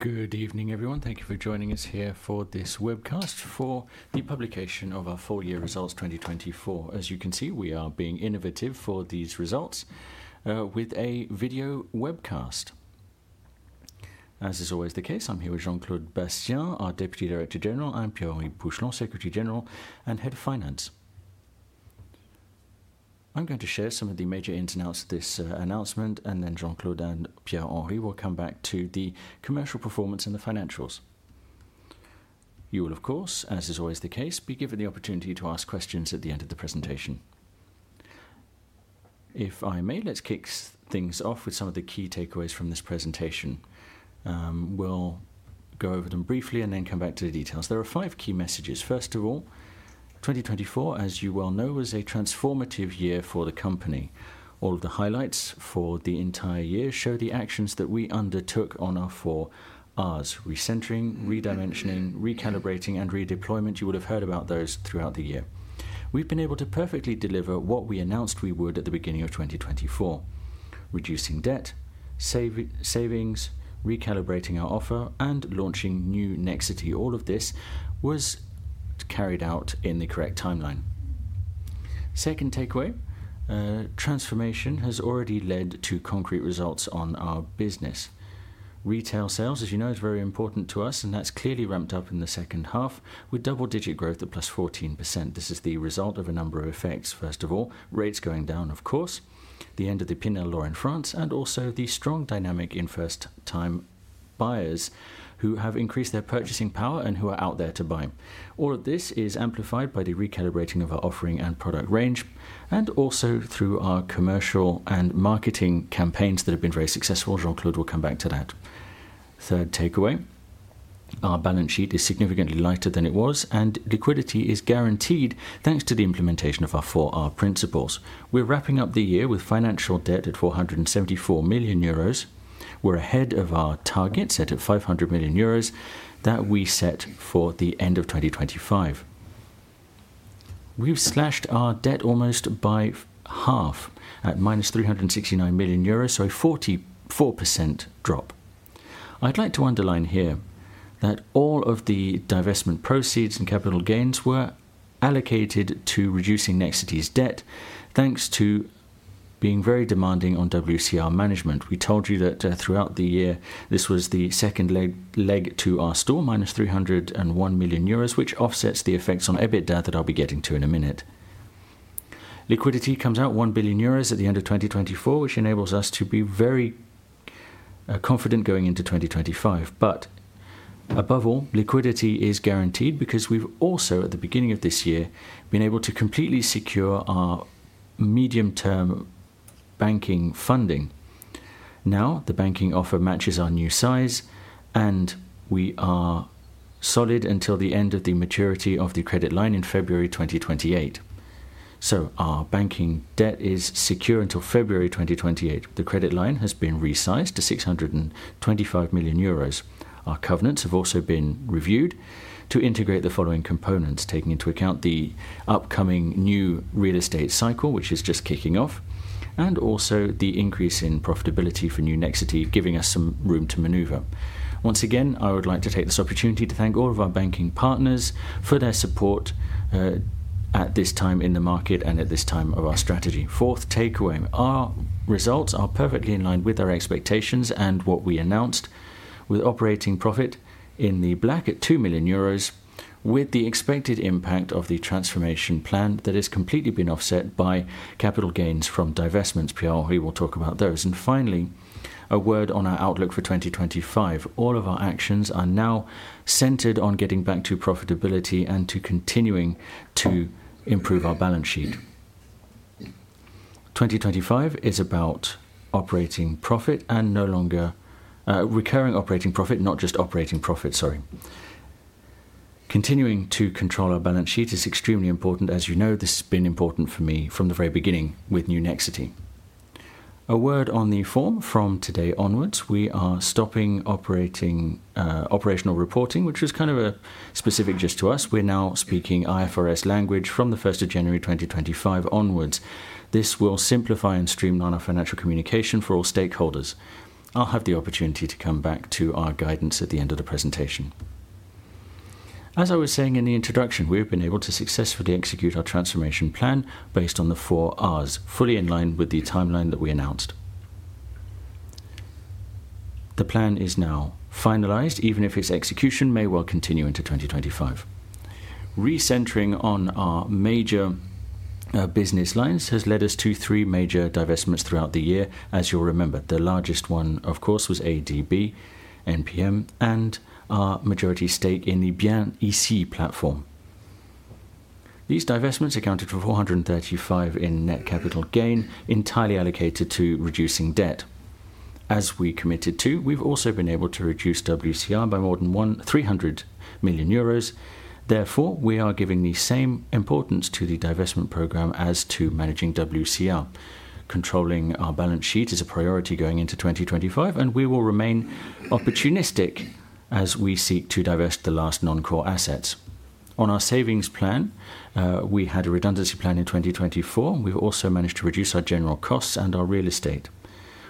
Good evening, everyone. Thank you for joining us here for this webcast for the publication of our full year results 2024. As you can see, we are being innovative for these results with a video webcast. As is always the case, I'm here with Jean-Claude Bassien, our Deputy Director General, and Pierre-Henri Pouchelon, Secretary General and Head of Finance. I'm going to share some of the major ins and outs of this announcement, and then Jean-Claude and Pierre-Henri will come back to the commercial performance and the financials. You will, of course, as is always the case, be given the opportunity to ask questions at the end of the presentation. If I may, let's kick things off with some of the key takeaways from this presentation. We'll go over them briefly and then come back to the details. There are five key messages. First of all, 2024, as you well know, was a transformative year for the company. All of the highlights for the entire year show the actions that we undertook on our four Rs: Recentering, Redimensioning, Recalibrating, and Redeployment. You will have heard about those throughout the year. We've been able to perfectly deliver what we announced we would at the beginning of 2024: reducing debt, savings, recalibrating our offer, and launching new Nexity. All of this was carried out in the correct timeline. Second takeaway: transformation has already led to concrete results on our business. Retail sales, as you know, is very important to us, and that's clearly ramped up in the second half with double-digit growth at +14%. This is the result of a number of effects. First of all, rates going down, of course, the end of the PINEL Law in France, and also the strong dynamic in first-time buyers who have increased their purchasing power and who are out there to buy. All of this is amplified by the recalibrating of our offering and product range, and also through our commercial and marketing campaigns that have been very successful. Jean-Claude will come back to that. Third takeaway: our balance sheet is significantly lighter than it was, and liquidity is guaranteed thanks to the implementation of our four R principles. We're wrapping up the year with financial debt at 474 million euros. We're ahead of our target set at 500 million euros that we set for the end of 2025. We've slashed our debt almost by half at 369 million euros, so a 44% drop. I'd like to underline here that all of the divestment proceeds and capital gains were allocated to reducing Nexity's debt thanks to being very demanding on WCR management. We told you that throughout the year this was the second leg to our stall, 301 million euros, which offsets the effects on EBITDA that I'll be getting to in a minute. Liquidity comes out 1 billion euros at the end of 2024, which enables us to be very confident going into 2025. But above all, liquidity is guaranteed because we've also, at the beginning of this year, been able to completely secure our medium-term banking funding. Now the banking offer matches our new size, and we are solid until the end of the maturity of the credit line in February 2028. So our banking debt is secure until February 2028. The credit line has been resized to 625 million euros. Our covenants have also been reviewed to integrate the following components, taking into account the upcoming new real estate cycle, which is just kicking off, and also the increase in profitability for new Nexity, giving us some room to maneuver. Once again, I would like to take this opportunity to thank all of our banking partners for their support at this time in the market and at this time of our strategy. Fourth takeaway: our results are perfectly in line with our expectations and what we announced, with operating profit in the black at 2 million euros, with the expected impact of the transformation plan that has completely been offset by capital gains from divestments. Pierre-Henri will talk about those. And finally, a word on our outlook for 2025. All of our actions are now centered on getting back to profitability and to continuing to improve our balance sheet. 2025 is about operating profit and no longer recurring operating profit, not just operating profit, sorry. Continuing to control our balance sheet is extremely important. As you know, this has been important for me from the very beginning with new Nexity. A word on the form from today onwards. We are stopping operational reporting, which was kind of specific just to us. We're now speaking IFRS language from the 1st of January 2025 onwards. This will simplify and streamline our financial communication for all stakeholders. I'll have the opportunity to come back to our guidance at the end of the presentation. As I was saying in the introduction, we have been able to successfully execute our transformation plan based on the four Rs, fully in line with the timeline that we announced. The plan is now finalized, even if its execution may well continue into 2025. Recentering on our major business lines has led us to three major divestments throughout the year. As you'll remember, the largest one, of course, was ADB, NPM, and our majority stake in the Bien'ici platform. These divestments accounted for 435 in net capital gain, entirely allocated to reducing debt. As we committed to, we've also been able to reduce WCR by more than 300 million euros. Therefore, we are giving the same importance to the divestment program as to managing WCR. Controlling our balance sheet is a priority going into 2025, and we will remain opportunistic as we seek to divest the last non-core assets. On our savings plan, we had a redundancy plan in 2024. We've also managed to reduce our general costs and our real estate.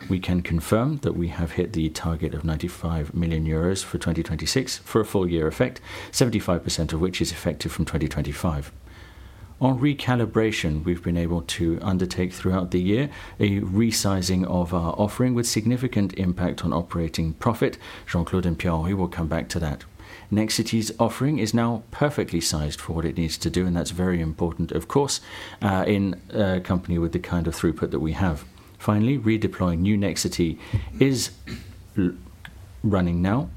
We can confirm that we have hit the target of 95 million euros for 2026 for a full year effect, 75% of which is effective from 2025. On recalibration, we've been able to undertake throughout the year a resizing of our offering with significant impact on operating profit. Jean-Claude and Pierre-Henri will come back to that. Nexity's offering is now perfectly sized for what it needs to do, and that's very important, of course, in a company with the kind of throughput that we have. Finally, redeploying new Nexity is running now.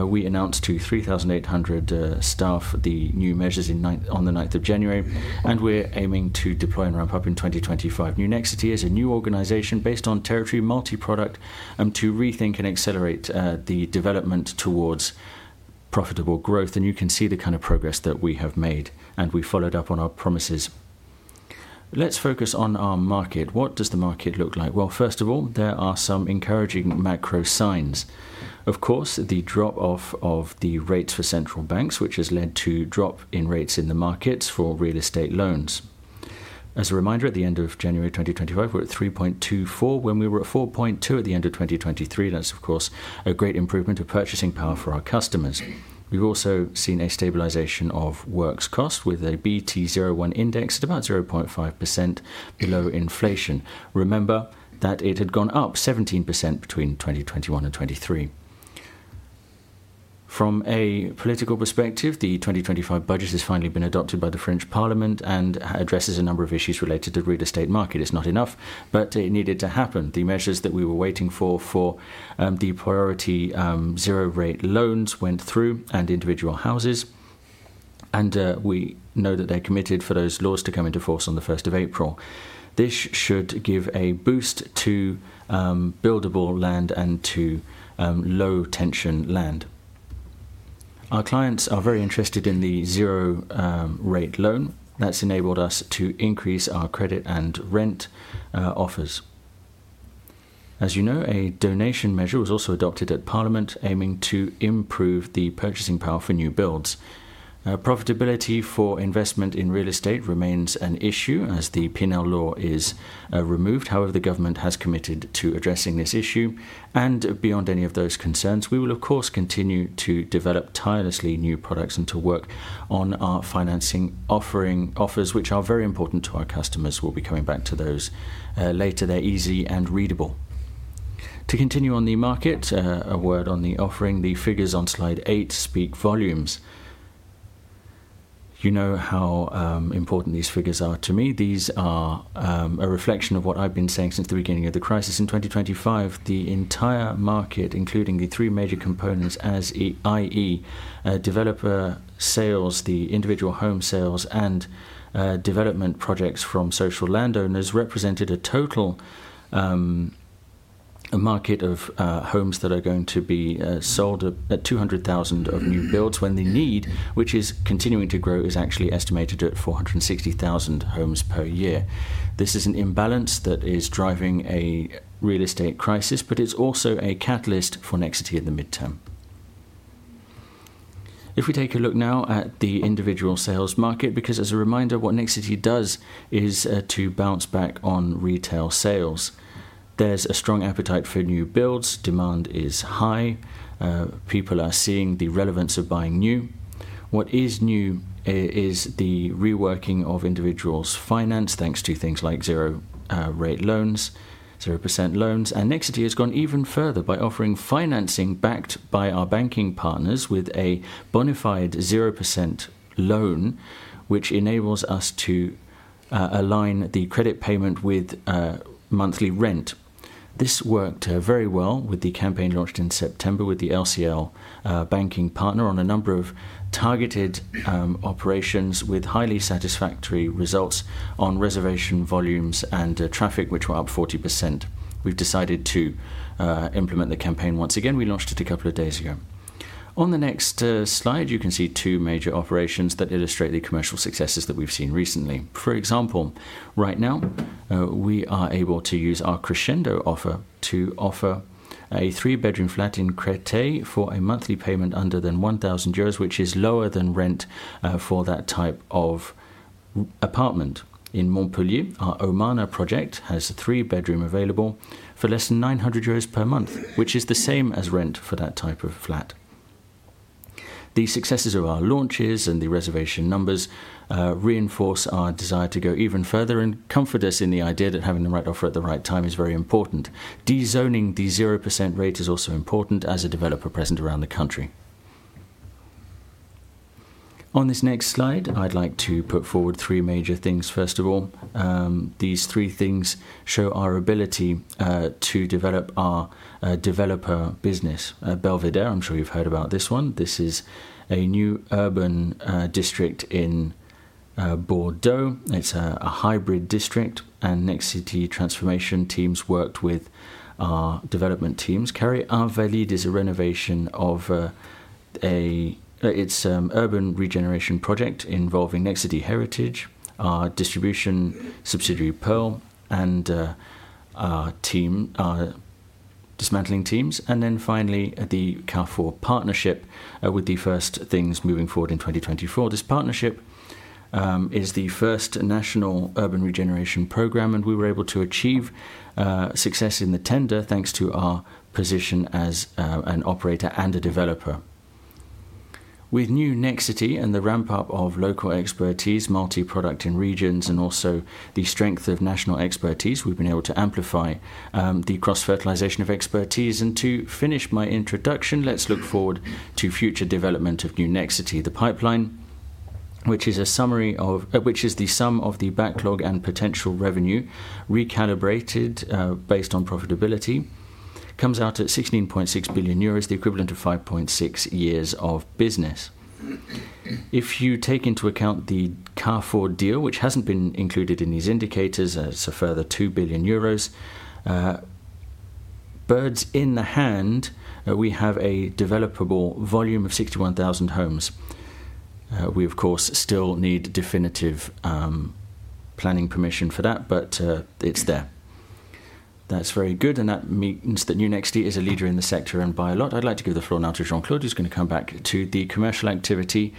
We announced to 3,800 staff the new measures on the 9th of January, and we're aiming to deploy and ramp up in 2025. New Nexity is a new organization based on territory, multi-product, and to rethink and accelerate the development towards profitable growth. You can see the kind of progress that we have made, and we followed up on our promises. Let's focus on our market. What does the market look like? Well, first of all, there are some encouraging macro signs. Of course, the drop-off of the rates for central banks, which has led to a drop in rates in the markets for real estate loans. As a reminder, at the end of January 2025, we're at 3.24 when we were at 4.2 at the end of 2023. That's, of course, a great improvement of purchasing power for our customers. We've also seen a stabilization of works cost with a BT01 index at about 0.5% below inflation. Remember that it had gone up 17% between 2021 and 2023. From a political perspective, the 2025 budget has finally been adopted by the French Parliament and addresses a number of issues related to the real estate market. It's not enough, but it needed to happen. The measures that we were waiting for, for the priority zero-rate loans, went through and individual houses, and we know that they're committed for those laws to come into force on the 1st of April. This should give a boost to buildable land and to low-tension land. Our clients are very interested in the zero-rate loan. That's enabled us to increase our credit and rent offers. As you know, a donation measure was also adopted at Parliament aiming to improve the purchasing power for new builds. Profitability for investment in real estate remains an issue as the PINEL Law is removed. However, the government has committed to addressing this issue. Beyond any of those concerns, we will, of course, continue to develop tirelessly new products and to work on our financing offers, which are very important to our customers. We'll be coming back to those later. They're easy and readable. To continue on the market, a word on the offering. The figures on slide eight speak volumes. You know how important these figures are to me. These are a reflection of what I've been saying since the beginning of the crisis. In 2025, the entire market, including the three major components, i.e., developer sales, the individual home sales, and development projects from social landowners, represented a total market of homes that are going to be sold at 200,000 of new builds when the need, which is continuing to grow, is actually estimated at 460,000 homes per year. This is an imbalance that is driving a real estate crisis, but it's also a catalyst for Nexity in the midterm. If we take a look now at the individual sales market, because as a reminder, what Nexity does is to bounce back on retail sales. There's a strong appetite for new builds. Demand is high. People are seeing the relevance of buying new. What is new is the reworking of individuals' finance thanks to things like zero-rate loans, 0% loans. And Nexity has gone even further by offering financing backed by our banking partners with a bona fide 0% loan, which enables us to align the credit payment with monthly rent. This worked very well with the campaign launched in September with the LCL banking partner on a number of targeted operations with highly satisfactory results on reservation volumes and traffic, which were up 40%. We've decided to implement the campaign once again. We launched it a couple of days ago. On the next slide, you can see two major operations that illustrate the commercial successes that we've seen recently. For example, right now, we are able to use our Crescendo offer to offer a three-bedroom flat in Créteil for a monthly payment under than 1,000 euros, which is lower than rent for that type of apartment. In Montpellier, our Omana project has a three-bedroom available for less than 900 euros per month, which is the same as rent for that type of flat. The successes of our launches and the reservation numbers reinforce our desire to go even further and comfort us in the idea that having the right offer at the right time is very important. Dezoning the 0% rate is also important as a developer present around the country. On this next slide, I'd like to put forward three major things. First of all, these three things show our ability to develop our developer business. Belvédère, I'm sure you've heard about this one. This is a new urban district in Bordeaux. It's a hybrid district, and Nexity transformation teams worked with our development teams. Carré Invalides is a renovation of its urban regeneration project involving Nexity Heritage, our distribution subsidiary Perl, and our development teams. And then finally, the Carrefour partnership with the first things moving forward in 2024. This partnership is the first national urban regeneration program, and we were able to achieve success in the tender thanks to our position as an operator and a developer. With new Nexity and the ramp-up of local expertise, multi-product in regions, and also the strength of national expertise, we've been able to amplify the cross-fertilization of expertise. To finish my introduction, let's look forward to future development of new Nexity. The pipeline, which is a summary of which is the sum of the backlog and potential revenue recalibrated based on profitability, comes out at 16.6 billion euros, the equivalent of 5.6 years of business. If you take into account the Carrefour deal, which hasn't been included in these indicators, it's a further 2 billion euros. Birds in the hand, we have a developable volume of 61,000 homes. We, of course, still need definitive planning permission for that, but it's there. That's very good, and that means that new Nexity is a leader in the sector and by a lot. I'd like to give the floor now to Jean-Claude, who's going to come back to the commercial activity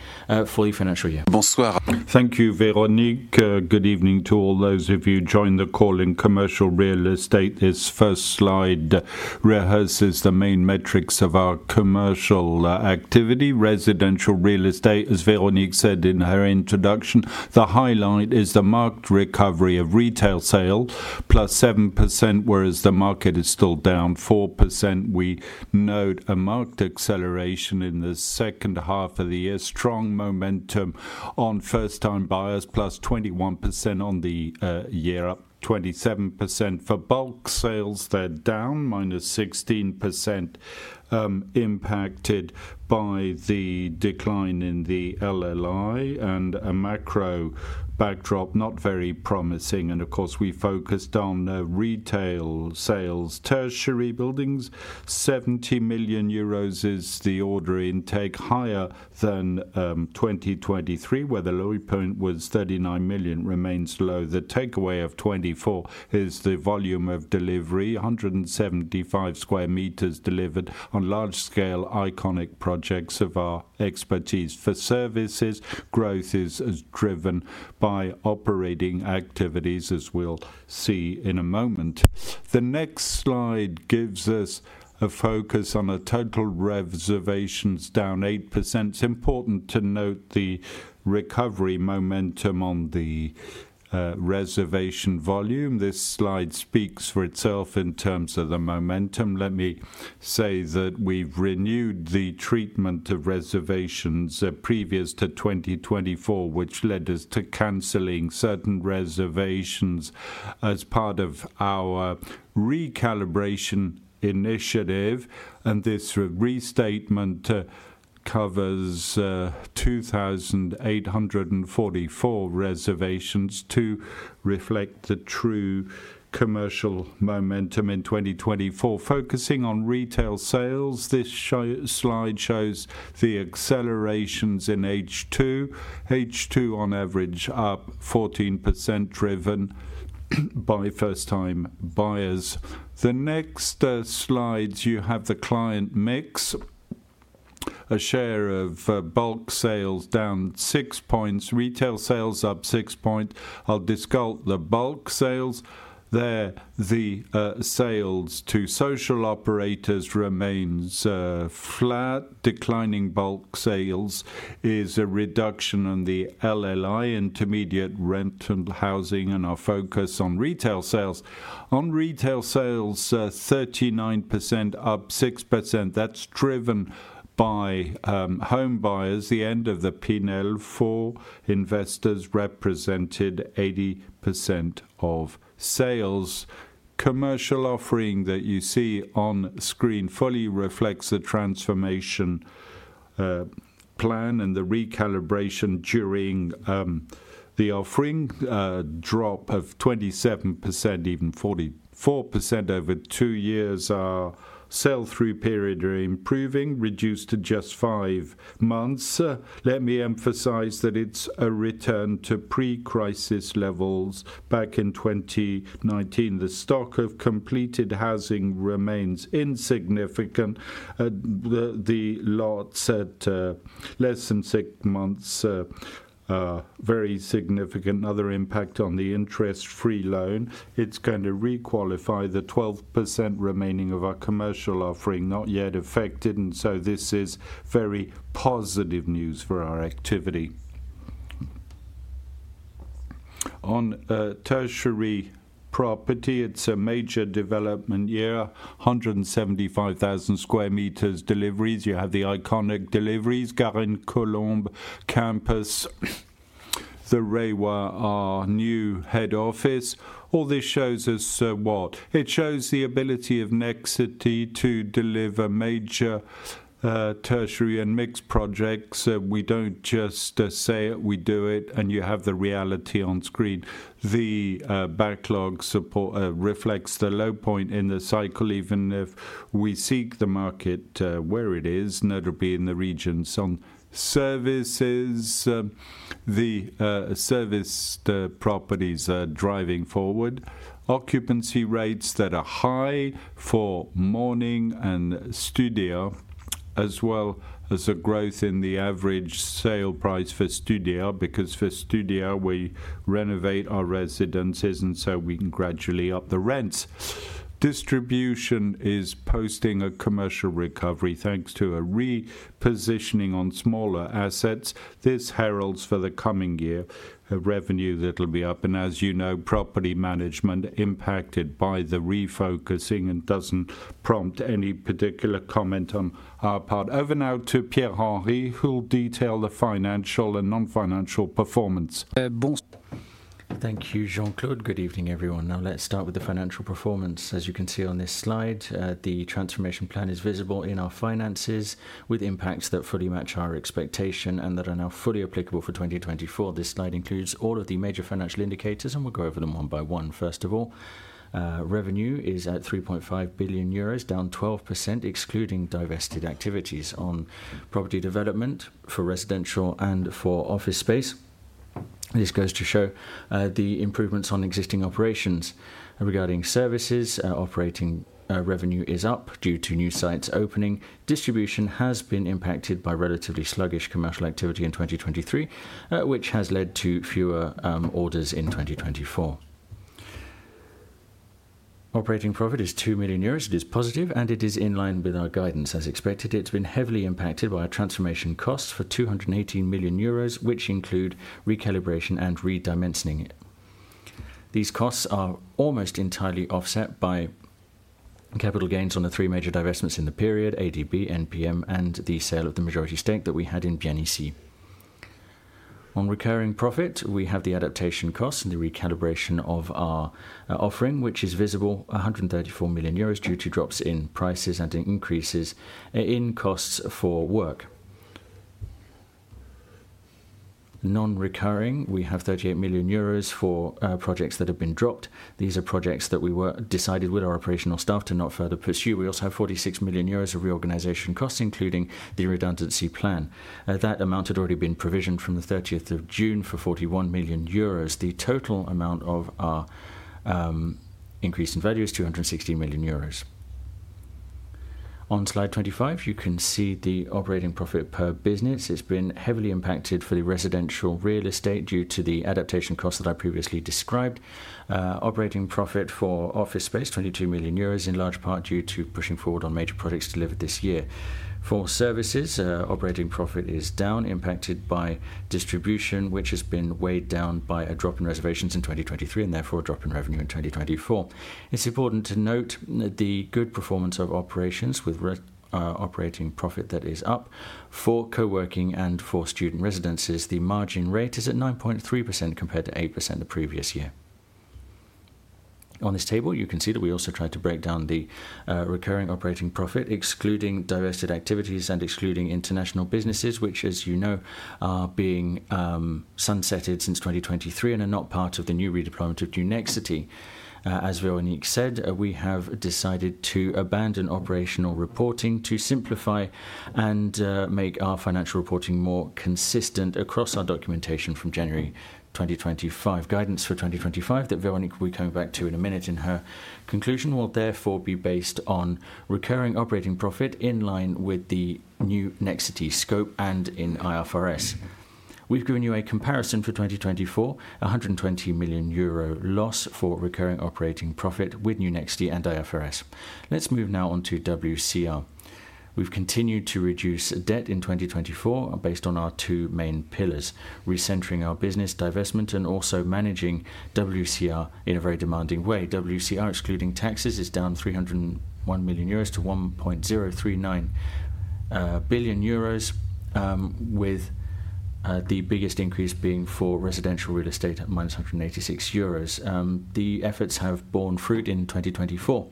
for the financial year. Bonsoir. Thank you, Véronique. Good evening to all those of you joining the call in commercial real estate. This first slide rehearses the main metrics of our commercial activity. Residential real estate, as Véronique said in her introduction, the highlight is the marked recovery of retail sales, +7%, whereas the market is still down 4%. We note a marked acceleration in the second half of the year, strong momentum on first-time buyers, +21% on the year, up 27%. For bulk sales, they're down, -16%, impacted by the decline in the LLI and a macro backdrop not very promising. And of course, we focused on retail sales, tertiary buildings. 70 million euros is the order intake, higher than 2023, where the low point was 39 million, remains low. The takeaway of 24 is the volume of delivery, 175 sq m delivered on large-scale iconic projects of our expertise. For services, growth is driven by operating activities, as we'll see in a moment. The next slide gives us a focus on total reservations, down 8%. It's important to note the recovery momentum on the reservation volume. This slide speaks for itself in terms of the momentum. Let me say that we've renewed the treatment of reservations previous to 2024, which led us to cancelling certain reservations as part of our recalibration initiative, and this restatement covers 2,844 reservations to reflect the true commercial momentum in 2024. Focusing on retail sales, this slide shows the accelerations in H2. H2, on average, up 14%, driven by first-time buyers. The next slide, you have the client mix. A share of bulk sales down 6 points, retail sales up 6 points. I'll discuss the bulk sales. There, the sales to social operators remain flat. Declining bulk sales is a reduction in the LLI, intermediate rent and housing, and our focus on retail sales. On retail sales, 39%, up 6%. That's driven by home buyers. The end of the PINEL for investors represented 80% of sales. Commercial offering that you see on screen fully reflects the transformation plan and the recalibration during the offering. Drop of 27%, even 44% over two years. Our sell-through period is improving, reduced to just five months. Let me emphasize that it's a return to pre-crisis levels back in 2019. The stock of completed housing remains insignificant. The lots at less than six months, very significant. Another impact on the interest-free loan. It's going to requalify the 12% remaining of our commercial offering, not yet affected. And so this is very positive news for our activity. On tertiary property, it's a major development year, 175,000 sq m deliveries. You have the iconic deliveries, La Garenne-Colombes campus, the Reiwa new head office. All this shows us what? It shows the ability of Nexity to deliver major tertiary and mixed projects. We don't just say it, we do it. And you have the reality on screen. The backlog reflects the low point in the cycle, even if we seek the market where it is, notably in the region. On services, the serviced properties are driving forward. Occupancy rates that are high for Morning and Studéa, as well as a growth in the average sale price for Studéa, because for Studéa, we renovate our residences, and so we can gradually up the rents. Distribution is posting a commercial recovery thanks to a repositioning on smaller assets. This heralds for the coming year a revenue that will be up. As you know, property management impacted by the refocusing and doesn't prompt any particular comment on our part. Over now to Pierre-Henri, who'll detail the financial and non-financial performance. Bonsoir. Thank you, Jean-Claude. Good evening, everyone. Now, let's start with the financial performance. As you can see on this slide, the transformation plan is visible in our finances, with impacts that fully match our expectation and that are now fully applicable for 2024. This slide includes all of the major financial indicators, and we'll go over them one by one. First of all, revenue is at 3.5 billion euros, down 12%, excluding divested activities on property development for residential and for office space. This goes to show the improvements on existing operations. Regarding services, operating revenue is up due to new sites opening. Distribution has been impacted by relatively sluggish commercial activity in 2023, which has led to fewer orders in 2024. Operating profit is 2 million euros. It is positive, and it is in line with our guidance. As expected, it's been heavily impacted by transformation costs for 218 million euros, which include recalibration and redimensioning. These costs are almost entirely offset by capital gains on the three major divestments in the period, ADB, NPM, and the sale of the majority stake that we had in Bien'ici. On recurring profit, we have the adaptation costs and the recalibration of our offering, which is visible, 134 million euros due to drops in prices and increases in costs for work. Non-recurring, we have 38 million euros for projects that have been dropped. These are projects that we decided with our operational staff to not further pursue. We also have 46 million euros of reorganization costs, including the redundancy plan. That amount had already been provisioned from the 30th of June for 41 million euros. The total amount of our increase in value is 260 million euros. On slide 25, you can see the operating profit per business. It's been heavily impacted for the residential real estate due to the adaptation costs that I previously described. Operating profit for office space, 22 million euros, in large part due to pushing forward on major projects delivered this year. For services, operating profit is down, impacted by distribution, which has been weighed down by a drop in reservations in 2023 and therefore a drop in revenue in 2024. It's important to note the good performance of operations with operating profit that is up for co-working and for student residences. The margin rate is at 9.3% compared to 8% the previous year. On this table, you can see that we also tried to break down the recurring operating profit, excluding divested activities and excluding international businesses, which, as you know, are being sunsetted since 2023 and are not part of the new redeployment of New Nexity. As Véronique said, we have decided to abandon operational reporting to simplify and make our financial reporting more consistent across our documentation from January 2025. Guidance for 2025 that Véronique will be coming back to in a minute in her conclusion will therefore be based on recurring operating profit in line with the new Nexity scope and in IFRS. We've given you a comparison for 2024, 120 million euro loss for recurring operating profit with New Nexity and IFRS. Let's move now on to WCR. We've continued to reduce debt in 2024 based on our two main pillars, recentering our business, divestment, and also managing WCR in a very demanding way. WCR, excluding taxes, is down 301 million euros to 1.039 billion euros, with the biggest increase being for residential real estate at 186 euros. The efforts have borne fruit in 2024,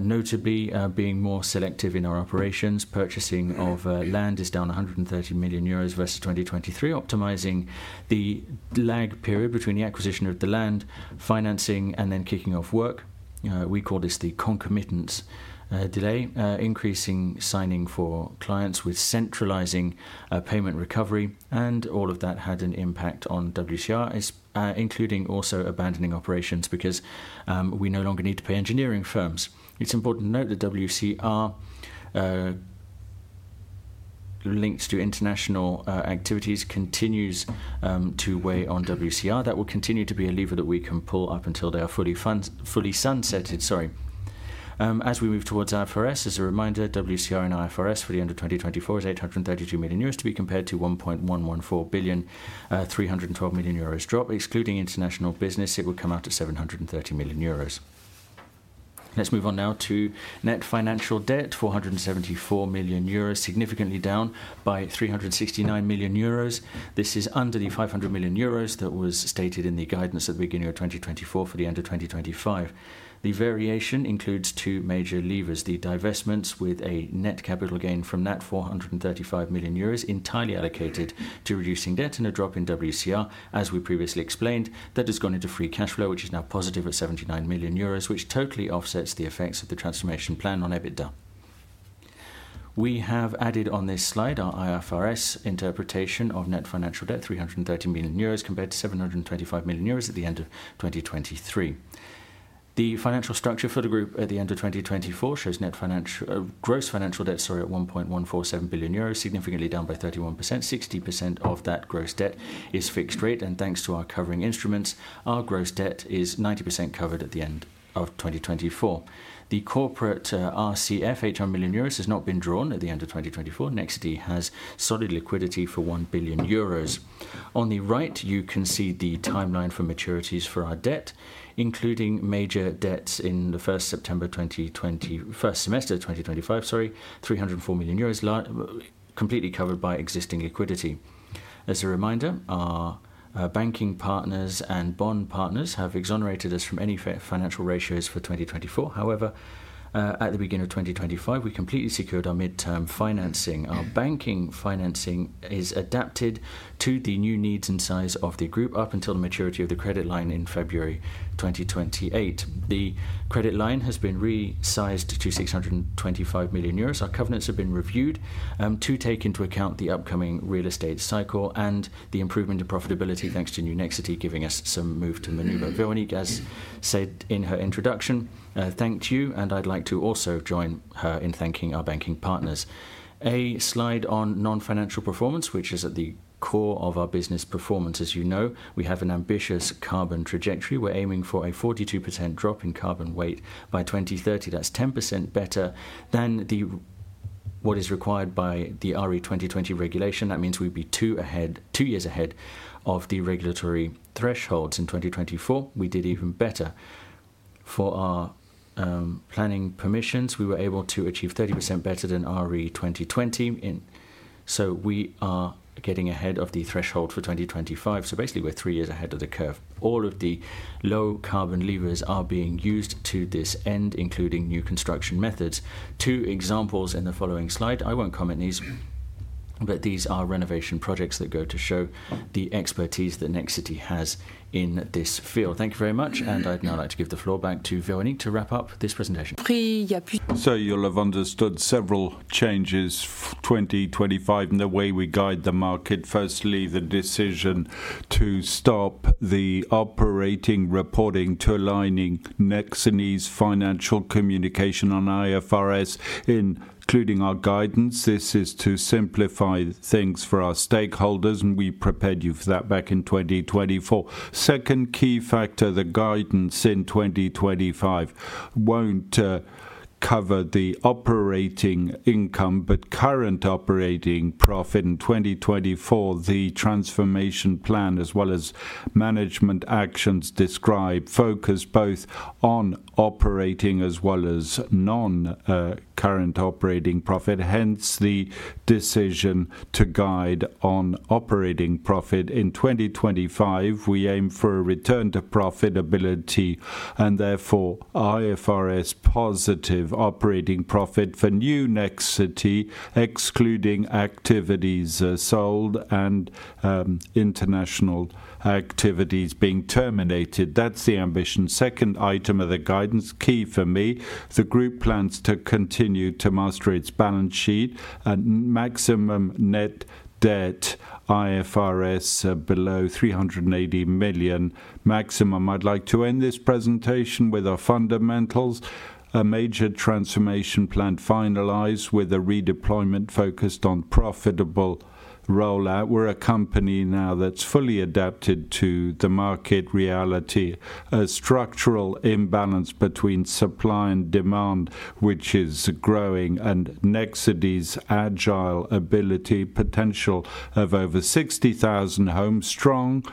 notably being more selective in our operations. Purchasing of land is down 130 million euros versus 2023, optimizing the lag period between the acquisition of the land, financing, and then kicking off work. We call this the concomitant delay, increasing signing for clients with centralizing payment recovery. And all of that had an impact on WCR, including also abandoning operations because we no longer need to pay engineering firms. It's important to note that WCR links to international activities continues to weigh on WCR. That will continue to be a lever that we can pull up until they are fully sunsetted. As we move towards IFRS, as a reminder, WCR and IFRS for the end of 2024 is 832 million euros to be compared to 1.114 billion, 312 million euros drop. Excluding international business, it would come out at 730 million euros. Let's move on now to net financial debt, 474 million euros, significantly down by 369 million euros. This is under the 500 million euros that was stated in the guidance at the beginning of 2024 for the end of 2025. The variation includes two major levers, the divestments with a net capital gain from that 435 million euros, entirely allocated to reducing debt and a drop in WCR, as we previously explained. That has gone into free cash flow, which is now positive at 79 million euros, which totally offsets the effects of the transformation plan on EBITDA. We have added on this slide our IFRS interpretation of net financial debt, 330 million euros compared to 725 million euros at the end of 2023. The financial structure for the group at the end of 2024 shows net gross financial debt, sorry, at 1.147 billion euros, significantly down by 31%. 60% of that gross debt is fixed rate. And thanks to our covering instruments, our gross debt is 90% covered at the end of 2024. The corporate RCF, 800 million euros, has not been drawn at the end of 2024. Nexity has solid liquidity for 1 billion euros. On the right, you can see the timeline for maturities for our debt, including major debts in the first semester of 2025, sorry, 304 million euros, completely covered by existing liquidity. As a reminder, our banking partners and bond partners have exonerated us from any financial ratios for 2024. However, at the beginning of 2025, we completely secured our midterm financing. Our banking financing is adapted to the new needs and size of the group up until the maturity of the credit line in February 2028. The credit line has been resized to 625 million euros. Our covenants have been reviewed to take into account the upcoming real estate cycle and the improvement in profitability thanks to New Nexity giving us some room to maneuver. Véronique, as said in her introduction, thanked you, and I'd like to also join her in thanking our banking partners. A slide on non-financial performance, which is at the core of our business performance. As you know, we have an ambitious carbon trajectory. We're aiming for a 42% drop in carbon weight by 2030. That's 10% better than what is required by the RE 2020 regulation. That means we'd be two years ahead of the regulatory thresholds in 2024. We did even better for our planning permissions. We were able to achieve 30% better than RE 2020. So we are getting ahead of the threshold for 2025. So basically, we're three years ahead of the curve. All of the low carbon levers are being used to this end, including new construction methods. Two examples in the following slide. I won't comment on these, but these are renovation projects that go to show the expertise that Nexity has in this field. Thank you very much. And I'd now like to give the floor back to Véronique to wrap up this presentation. Precisely. So you'll have understood several changes for 2025 in the way we guide the market. Firstly, the decision to stop the operating reporting to aligning Nexity's financial communication on IFRS, including our guidance. This is to simplify things for our stakeholders, and we prepared you for that back in 2024. Second key factor, the guidance in 2025 won't cover the operating income, but current operating profit in 2024. The transformation plan, as well as management actions described, focus both on operating as well as non-current operating profit. Hence, the decision to guide on operating profit in 2025. We aim for a return to profitability and therefore IFRS positive operating profit for New Nexity, excluding activities sold and international activities being terminated. That's the ambition. Second item of the guidance, key for me, the group plans to continue to master its balance sheet and maximum net debt IFRS below 380 million maximum. I'd like to end this presentation with our fundamentals. A major transformation plan finalised with a redeployment focused on profitable rollout. We're a company now that's fully adapted to the market reality. A structural imbalance between supply and demand, which is growing, and Nexity's agile ability, potential of over 60,000 homes, strong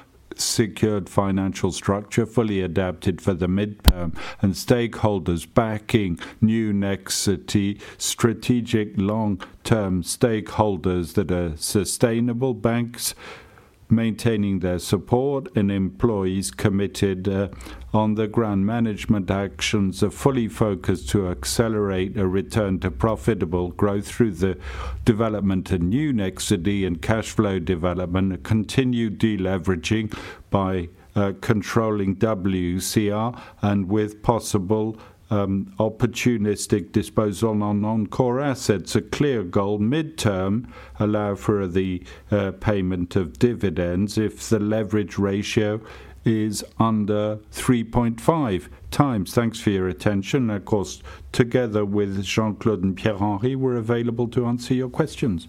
secured financial structure, fully adapted for the midterm and stakeholders backing New Nexity, strategic long-term stakeholders that are sustainable banks, maintaining their support and employees committed on the grand management actions, are fully focused to accelerate a return to profitable growth through the development of New Nexity and cash flow development, continued deleveraging by controlling WCR and with possible opportunistic disposal on non-core assets. A clear goal midterm allows for the payment of dividends if the leverage ratio is under 3.5 times. Thanks for your attention. And of course, together with Jean-Claude and Pierre-Henri, we're available to answer your questions.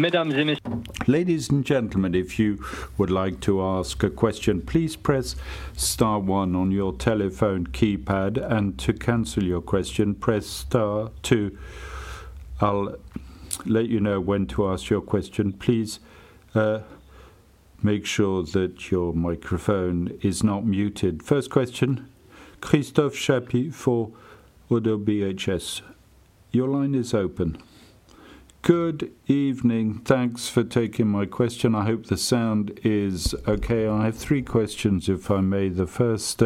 Mesdames et Messieurs. Ladies and gentlemen, if you would like to ask a question, please press star one on your telephone keypad, and to cancel your question, press star two. I'll let you know when to ask your question. Please make sure that your microphone is not muted. First question, Christophe Chaput for Oddo BHF. Your line is open. Good evening. Thanks for taking my question. I hope the sound is okay. I have three questions, if I may. The first,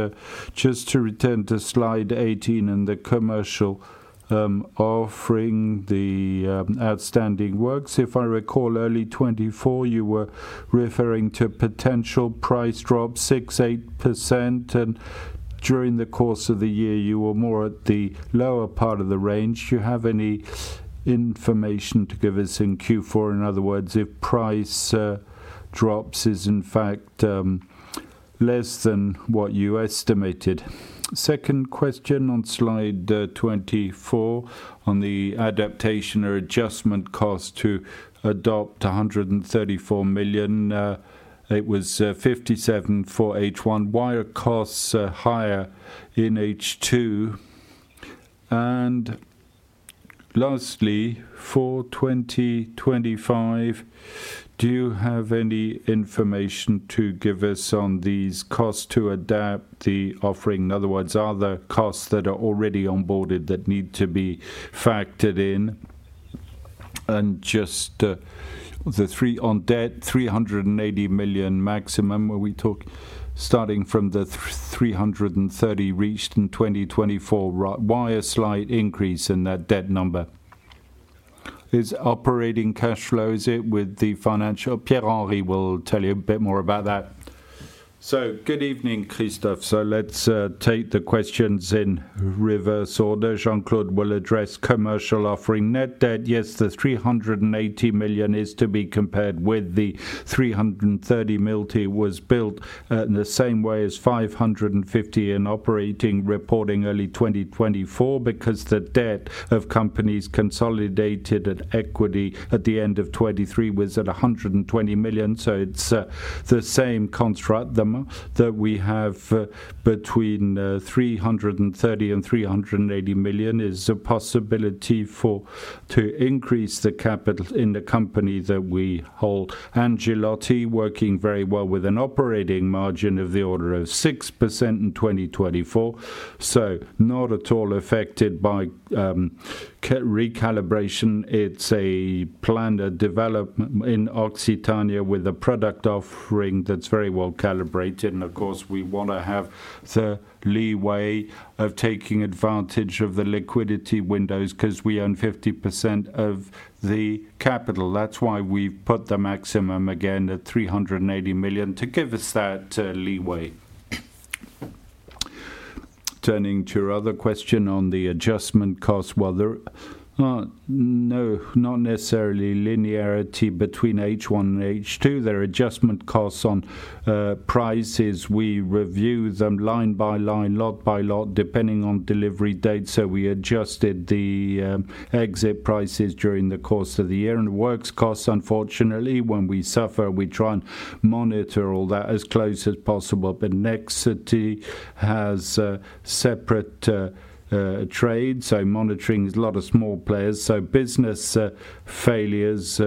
just to return to slide 18 and the commercial offering, the outstanding works. If I recall, early 2024, you were referring to potential price drops, 6-8%, and during the course of the year, you were more at the lower part of the range. Do you have any information to give us in Q4? In other words, if price drops is in fact less than what you estimated? Second question on slide 24 on the adaptation or adjustment cost to RE 2020 134 million. It was 57 for H1. Why are costs higher in H2? And lastly, for 2025, do you have any information to give us on these costs to adapt the offering? Otherwise, are there costs that are already onboarded that need to be factored in? And just the third on debt, 380 million maximum, when we talk starting from the 330 million reached in 2024, why a slight increase in that debt number? Is operating cash flow, is it with the financial? Pierre-Henri will tell you a bit more about that. So good evening, Christophe. So let's take the questions in reverse order. Jean-Claude will address commercial offering. Net debt, yes, the 380 million is to be compared with the 330 million that was built in the same way as 550 million in operating reporting early 2024, because the debt of companies consolidated at equity at the end of 2023 was at 120 million. So it's the same construct that we have between 330 million and 380 million is a possibility to increase the capital in the company that we hold. Angelotti, working very well with an operating margin of the order of 6% in 2024, so not at all affected by recalibration. It's a planned development in Occitania with a product offering that's very well calibrated. And of course, we want to have the leeway of taking advantage of the liquidity windows because we own 50% of the capital. That's why we've put the maximum again at 380 million to give us that leeway. Turning to your other question on the adjustment costs, well, no, not necessarily linearity between H1 and H2. There are adjustment costs on prices. We review them line by line, lot by lot, depending on delivery date. So we adjusted the exit prices during the course of the year. And works costs, unfortunately, when we suffer, we try and monitor all that as close as possible. But Nexity has separate trades, so monitoring is a lot of small players. So business failures,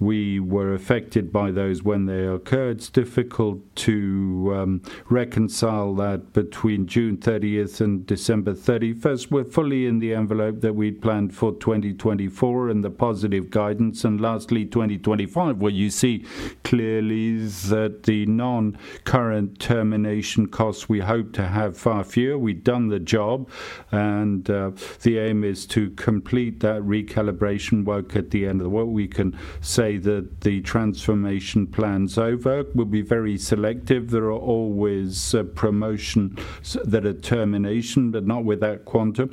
we were affected by those when they occurred. It's difficult to reconcile that between June 30th and December 31st. We're fully in the envelope that we'd planned for 2024 and the positive guidance. And lastly, 2025, what you see clearly is that the non-current termination costs we hope to have far fewer. We've done the job, and the aim is to complete that recalibration work at the end of the year. We can say that the transformation plan's over. We'll be very selective. There are always promotions that are terminated, but not with that quantum.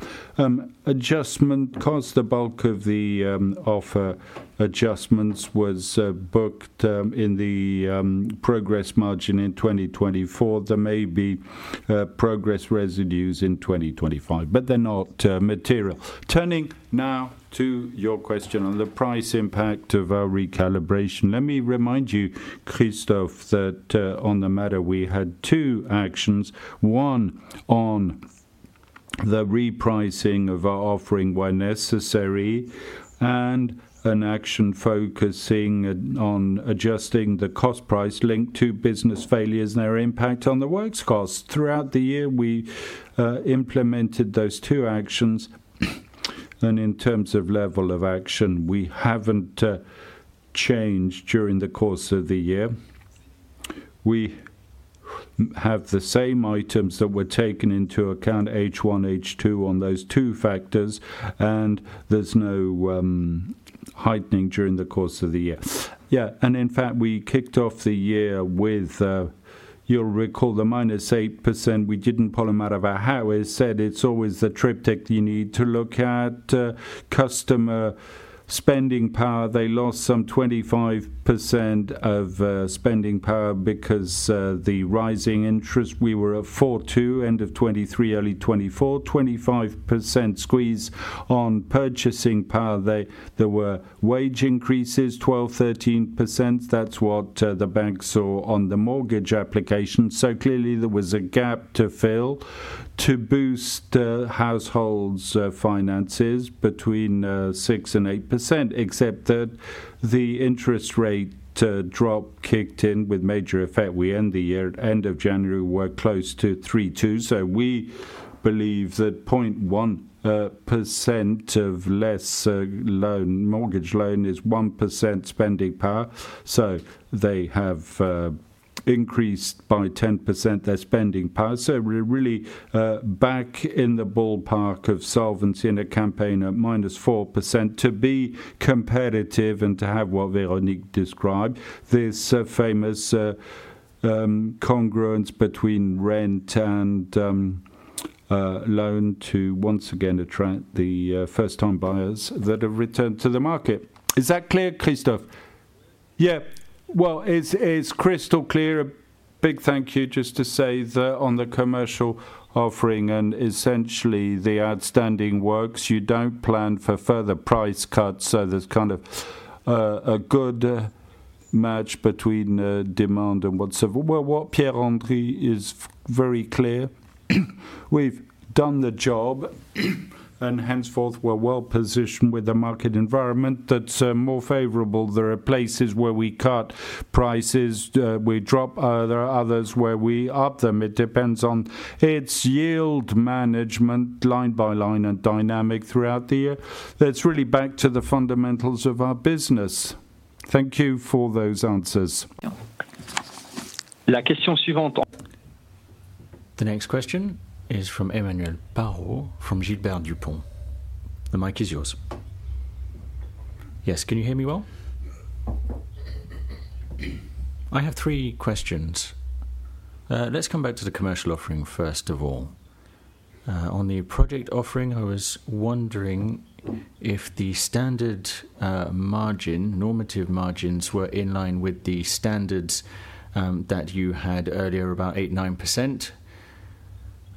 Adjustment costs, the bulk of the offer adjustments was booked in the progress margin in 2024. There may be progress residues in 2025, but they're not material. Turning now to your question on the price impact of our recalibration. Let me remind you, Christophe, that on the matter, we had two actions. One on the repricing of our offering where necessary and an action focusing on adjusting the cost price linked to business failures and their impact on the works costs. Throughout the year, we implemented those two actions. And in terms of level of action, we haven't changed during the course of the year. We have the same items that were taken into account, H1, H2 on those two factors, and there's no heightening during the course of the year. Yeah, and in fact, we kicked off the year with, you'll recall, the -8%. We didn't pull them out of our hair. As I said, it's always the triptych you need to look at. Customer spending power, they lost some 25% of spending power because of the rising interest. We were at 4.2, end of 2023, early 2024, 25% squeeze on purchasing power. There were wage increases, 12%-13%. That's what the bank saw on the mortgage application. So clearly, there was a gap to fill to boost households' finances between 6% and 8%, except that the interest rate drop kicked in with major effect. We end the year at the end of January, we were close to 3.2. We believe that 0.1% less mortgage loan is 1% spending power. So they have increased by 10% their spending power. So we're really back in the ballpark of solvency in a context at -4% to be competitive and to have what Véronique described, this famous congruence between rent and loan to once again attract the first-time buyers that have returned to the market. Is that clear, Christophe? Yeah. Well, it's crystal clear. A big thank you. Just to say that on the commercial offering and essentially the outstanding works, you don't plan for further price cuts. So there's kind of a good match between demand and supply. Well, what Pierre-Henri said is very clear. We've done the job, and henceforth, we're well positioned with the market environment that's more favorable. There are places where we cut prices. We drop. There are others where we up them. It depends on its yield management, line by line and dynamic throughout the year. That's really back to the fundamentals of our business. Thank you for those answers. La question suivante. The next question is from Emmanuel Parot from Gilbert Dupont. The mic is yours. Yes, can you hear me well? I have three questions. Let's come back to the commercial offering first of all. On the project offering, I was wondering if the standard margin, normative margins were in line with the standards that you had earlier, about 8%-9%,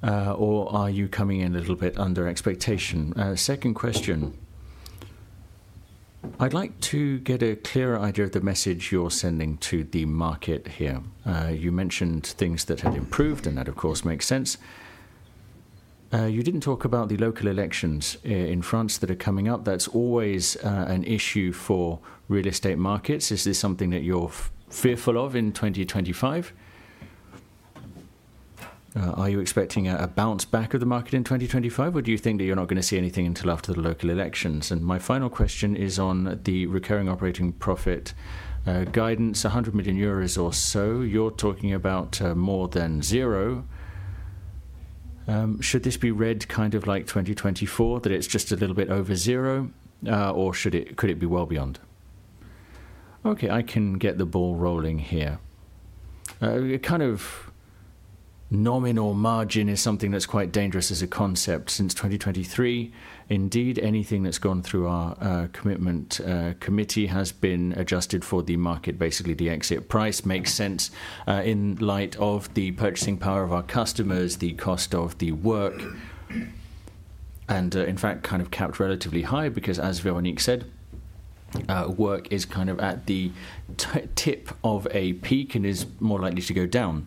or are you coming in a little bit under expectation? Second question. I'd like to get a clearer idea of the message you're sending to the market here. You mentioned things that had improved, and that, of course, makes sense. You didn't talk about the local elections in France that are coming up. That's always an issue for real estate markets. Is this something that you're fearful of in 2025? Are you expecting a bounce back of the market in 2025, or do you think that you're not going to see anything until after the local elections? And my final question is on the recurring operating profit guidance, 100 million euros or so. You're talking about more than zero. Should this be read kind of like 2024, that it's just a little bit over zero, or could it be well beyond? Okay, I can get the ball rolling here. Kind of nominal margin is something that's quite dangerous as a concept. Since 2023, indeed, anything that's gone through our commitment committee has been adjusted for the market, basically the exit price. Makes sense in light of the purchasing power of our customers, the cost of the work, and in fact, kind of kept relatively high because, as Véronique said, work is kind of at the tip of a peak and is more likely to go down.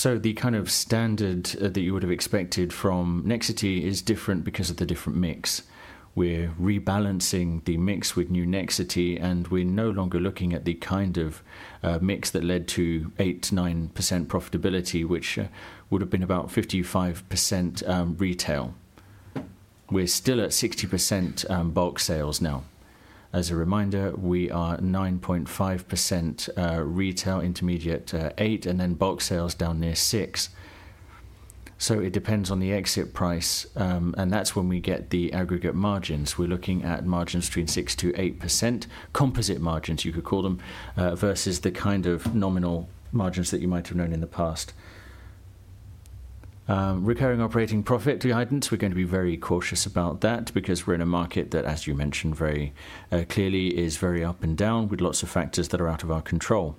So the kind of standard that you would have expected from Nexity is different because of the different mix. We're rebalancing the mix with new Nexity, and we're no longer looking at the kind of mix that led to 8-9% profitability, which would have been about 55% retail. We're still at 60% bulk sales now. As a reminder, we are 9.5% retail, intermediate 8%, and then bulk sales down near 6%. So it depends on the exit price, and that's when we get the aggregate margins. We're looking at margins between 6%-8%, composite margins, you could call them, versus the kind of nominal margins that you might have known in the past. Recurring operating profit guidance, we're going to be very cautious about that because we're in a market that, as you mentioned very clearly, is very up and down with lots of factors that are out of our control.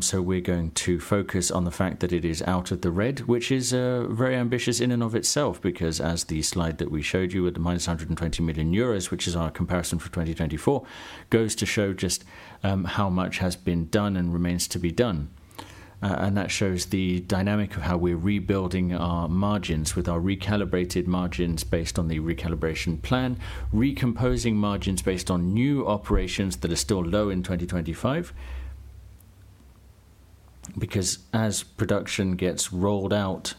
So we're going to focus on the fact that it is out of the red, which is very ambitious in and of itself because, as the slide that we showed you with the -120 million euros, which is our comparison for 2024, goes to show just how much has been done and remains to be done. And that shows the dynamic of how we're rebuilding our margins with our recalibrated margins based on the recalibration plan, recomposing margins based on new operations that are still low in 2025. Because as production gets rolled out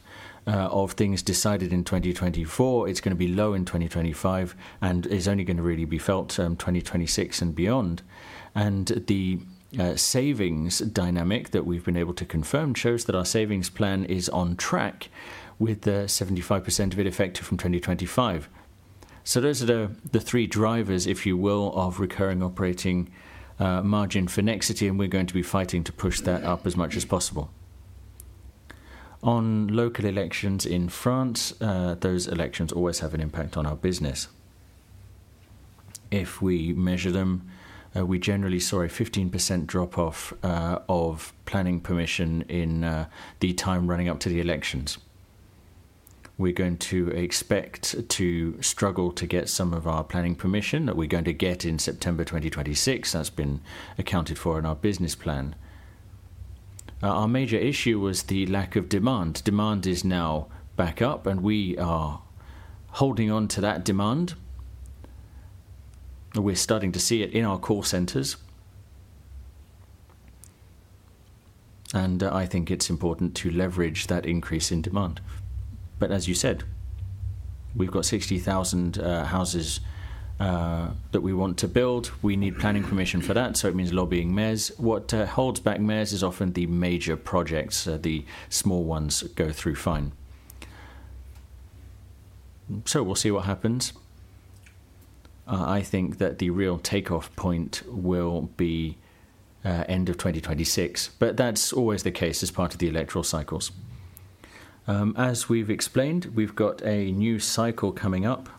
of things decided in 2024, it's going to be low in 2025 and is only going to really be felt 2026 and beyond. And the savings dynamic that we've been able to confirm shows that our savings plan is on track with the 75% of it effective from 2025. So those are the three drivers, if you will, of recurring operating margin for Nexity, and we're going to be fighting to push that up as much as possible. On local elections in France, those elections always have an impact on our business. If we measure them, we generally saw a 15% drop-off of planning permission in the time running up to the elections. We're going to expect to struggle to get some of our planning permission that we're going to get in September 2026. That's been accounted for in our business plan. Our major issue was the lack of demand. Demand is now back up, and we are holding on to that demand. We're starting to see it in our call centers, and I think it's important to leverage that increase in demand. But as you said, we've got 60,000 houses that we want to build. We need planning permission for that, so it means lobbying mayors. What holds back mayors is often the major projects. The small ones go through fine, so we'll see what happens. I think that the real takeoff point will be end of 2026, but that's always the case as part of the electoral cycles. As we've explained, we've got a new cycle coming up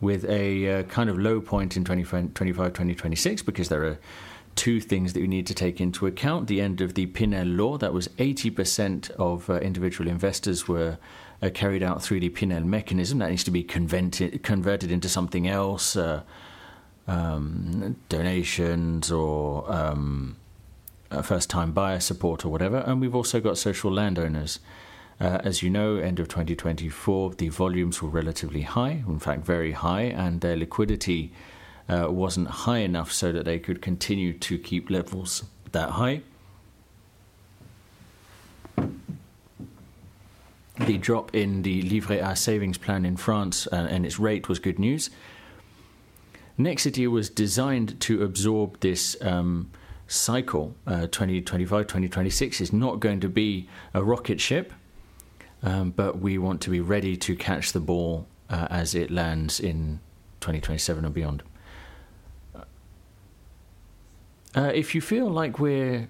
with a kind of low point in 2025-2026 because there are two things that you need to take into account. The end of the PINEL Law, that was 80% of individual investors were carried out through the PINEL mechanism. That needs to be converted into something else, donations or first-time buyer support or whatever, and we've also got social landowners. As you know, end of 2024, the volumes were relatively high, in fact, very high, and their liquidity wasn't high enough so that they could continue to keep levels that high. The drop in the Livret A savings plan in France and its rate was good news. Nexity was designed to absorb this cycle. 2025-2026 is not going to be a rocket ship, but we want to be ready to catch the ball as it lands in 2027 and beyond. If you feel like we're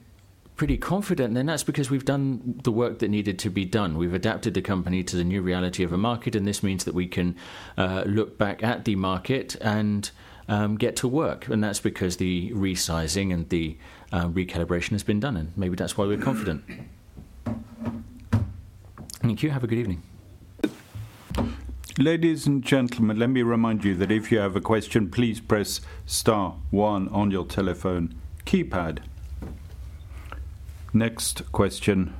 pretty confident, then that's because we've done the work that needed to be done. We've adapted the company to the new reality of a market, and this means that we can look back at the market and get to work. And that's because the resizing and the recalibration has been done, and maybe that's why we're confident. Thank you. Have a good evening. Ladies and gentlemen, let me remind you that if you have a question, please press star one on your telephone keypad. Next question,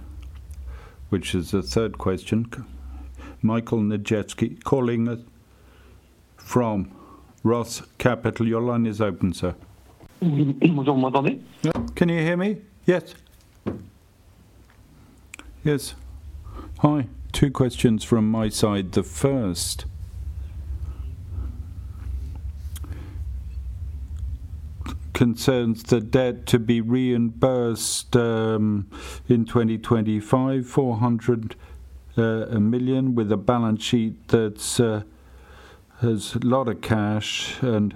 which is the third question. Michael Niedzielski calling from ROCE Capital. Your line is open, sir. Bonjour, vous m'entendez? Can you hear me? Yes. Yes. Hi. Two questions from my side. The first concerns the debt to be reimbursed in 2025, 400 million with a balance sheet that has a lot of cash and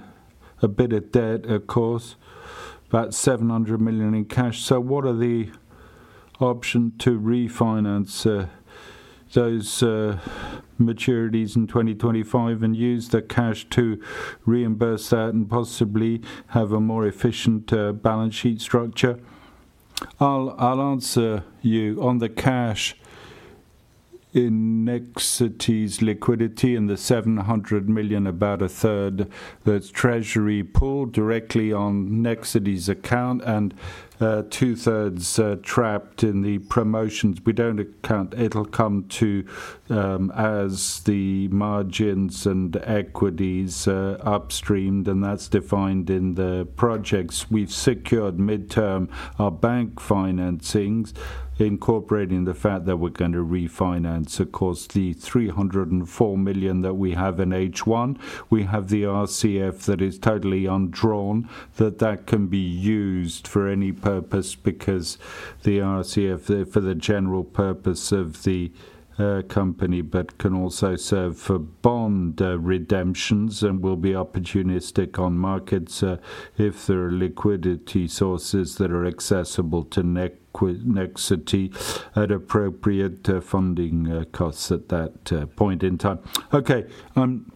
a bit of debt, of course, about 700 million in cash. So what are the options to refinance those maturities in 2025 and use the cash to reimburse that and possibly have a more efficient balance sheet structure? I'll answer you on the cash in Nexity's liquidity and the 700 million, about a third that's treasury pooled directly on Nexity's account and two-thirds trapped in the promotions. We don't account it'll come to as the margins and equities upstream, and that's defined in the projects. We've secured midterm our bank financings, incorporating the fact that we're going to refinance, of course, the 304 million that we have in H1. We have the RCF that is totally undrawn, that can be used for any purpose because the RCF for the general purpose of the company, but can also serve for bond redemptions and will be opportunistic on markets if there are liquidity sources that are accessible to Nexity at appropriate funding costs at that point in time. Okay. I'm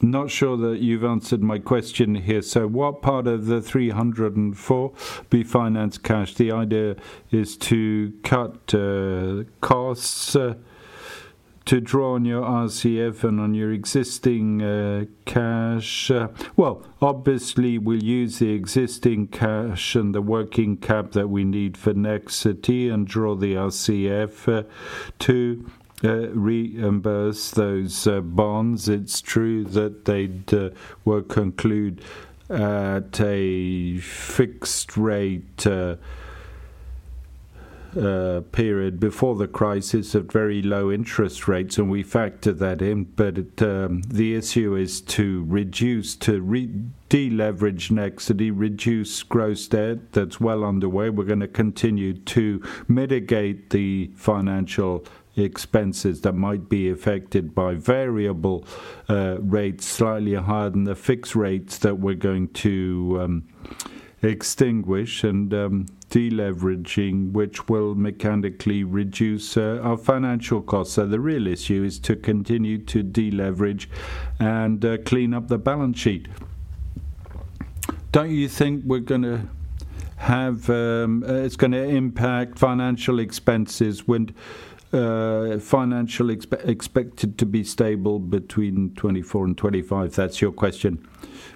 not sure that you've answered my question here. So, what part of the 304 will be financed in cash? The idea is to use cash to draw on your RCF and on your existing cash. Well, obviously, we'll use the existing cash and the working cap that we need for Nexity and draw the RCF to reimburse those bonds. It's true that they were concluded at a fixed rate period before the crisis of very low interest rates, and we factor that in. But the issue is to reduce, to deleverage Nexity, reduce gross debt. That's well underway. We're going to continue to mitigate the financial expenses that might be affected by variable rates slightly higher than the fixed rates that we're going to extinguish and deleveraging, which will mechanically reduce our financial costs. So the real issue is to continue to deleverage and clean up the balance sheet. Don't you think we're going to have it's going to impact financial expenses when financial expected to be stable between 2024 and 2025? That's your question.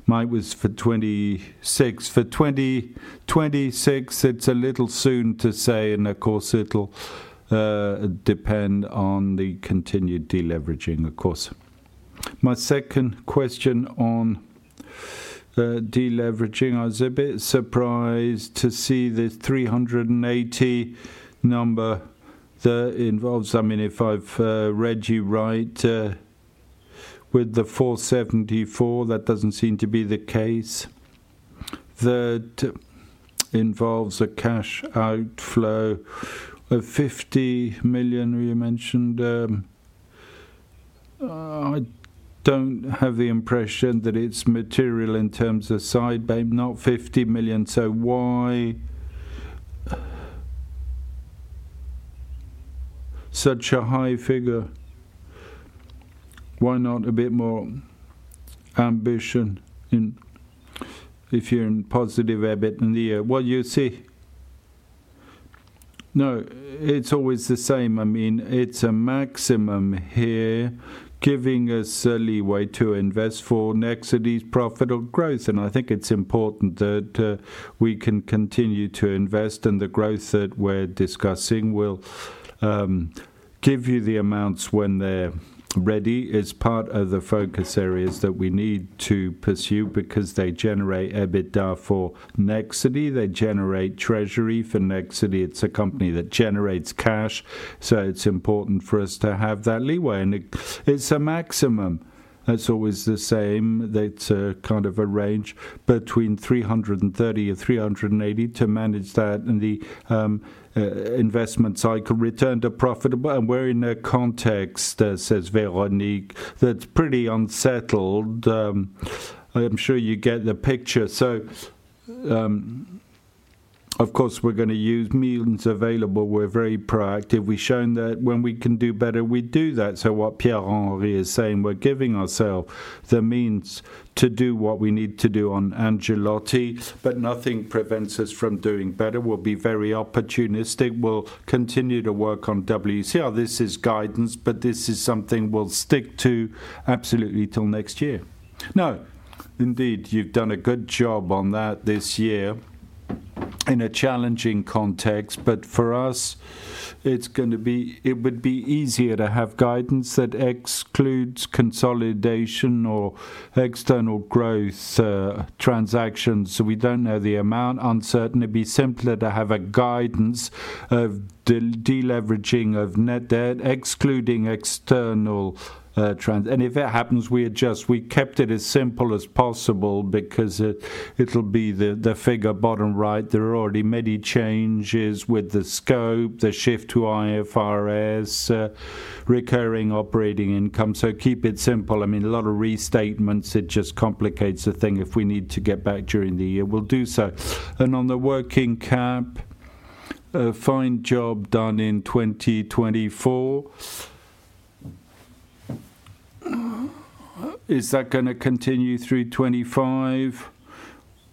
Mine was for 2026. For 2026, it's a little soon to say, and of course, it'll depend on the continued deleveraging, of course. My second question on deleveraging, I was a bit surprised to see the 380 million number that involves, I mean, if I've read you right, with the 474 million, that doesn't seem to be the case. That involves a cash outflow of 50 million, you mentioned. I don't have the impression that it's material in terms of covenant, not 50 million. So why such a high figure? Why not a bit more ambition if you're in positive EBIT in the year? What do you see? No, it's always the same. I mean, it's a maximum here giving us a leeway to invest for Nexity's profit or growth. And I think it's important that we can continue to invest in the growth that we're discussing. We'll give you the amounts when they're ready as part of the focus areas that we need to pursue because they generate EBITDA for Nexity. They generate treasury for Nexity. It's a company that generates cash. So it's important for us to have that leeway. And it's a maximum. That's always the same. That's a kind of a range between 330 and 380 to manage that in the investment cycle return to profitable. We're in a context, says Véronique, that's pretty unsettled. I'm sure you get the picture. Of course, we're going to use means available. We're very proactive. We've shown that when we can do better, we do that. What Pierre-Henri is saying, we're giving ourselves the means to do what we need to do on Angelotti, but nothing prevents us from doing better. We'll be very opportunistic. We'll continue to work on WCR. This is guidance, but this is something we'll stick to absolutely till next year. No, indeed, you've done a good job on that this year in a challenging context. For us, it would be easier to have guidance that excludes consolidation or external growth transactions. So we don't know the amount. Uncertain. It'd be simpler to have a guidance of deleveraging of net debt, excluding external transactions. And if it happens, we adjust. We kept it as simple as possible because it'll be the figure bottom right. There are already many changes with the scope, the shift to IFRS, recurring operating income. So keep it simple. I mean, a lot of restatements, it just complicates the thing. If we need to get back during the year, we'll do so. And on the working cap, fine job done in 2024. Is that going to continue through 2025,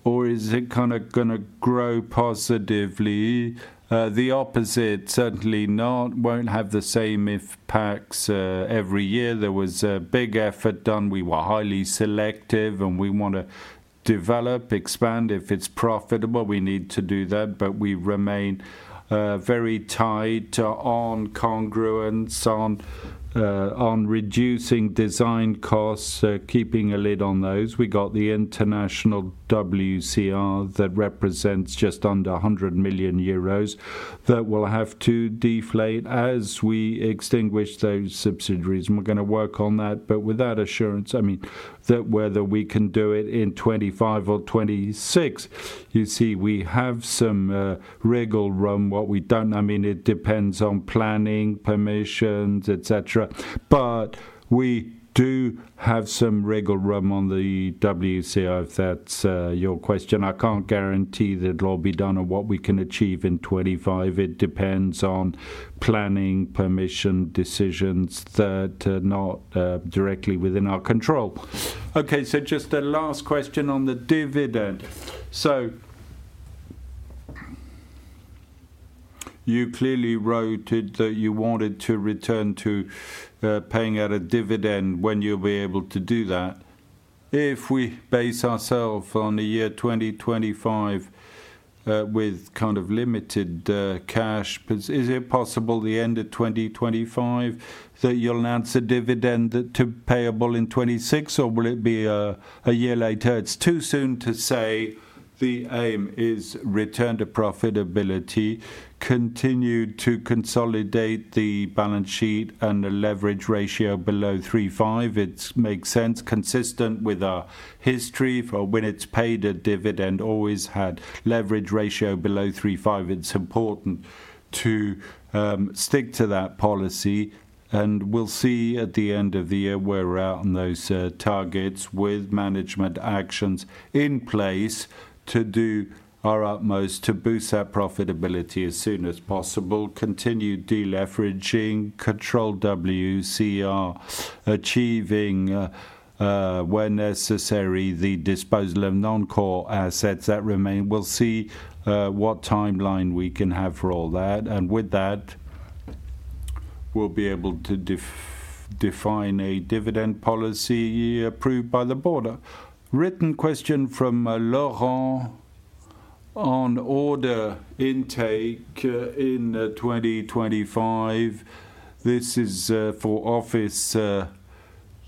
or is it kind of going to grow positively? The opposite, certainly not. Won't have the same impacts every year. There was a big effort done. We were highly selective, and we want to develop, expand. If it's profitable, we need to do that. But we remain very tight on congruence, on reducing design costs, keeping a lid on those. We got the international WCR that represents just under 100 million euros that we'll have to deflate as we extinguish those subsidiaries. And we're going to work on that. But without assurance, I mean, that whether we can do it in 2025 or 2026, you see, we have some wriggle room. What we don't, I mean, it depends on planning, permissions, etc. But we do have some wriggle room on the WCR, if that's your question. I can't guarantee that it'll be done or what we can achieve in 2025. It depends on planning, permission, decisions that are not directly within our control. Okay, so just the last question on the dividend. So you clearly wrote that you wanted to return to paying out a dividend when you'll be able to do that. If we base ourselves on the year 2025 with kind of limited cash, is it possible the end of 2025 that you'll announce a dividend to payable in 2026, or will it be a year later? It's too soon to say the aim is return to profitability, continue to consolidate the balance sheet and the leverage ratio below 3.5. It makes sense, consistent with our history for when it's paid a dividend, always had leverage ratio below 3.5. It's important to stick to that policy. We'll see at the end of the year where we're at on those targets with management actions in place to do our utmost to boost that profitability as soon as possible, continue deleveraging, control WCR, achieving, when necessary, the disposal of non-core assets that remain. We'll see what timeline we can have for all that. With that, we'll be able to define a dividend policy approved by the Board. A written question from Laurent on order intake in 2025. This is for office